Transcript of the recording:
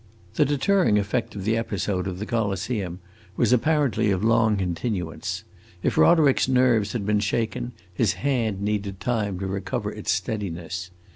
The deterring effect of the episode of the Coliseum was apparently of long continuance; if Roderick's nerves had been shaken his hand needed time to recover its steadiness.